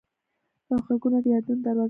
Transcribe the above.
غږونه د یادونو دروازه ده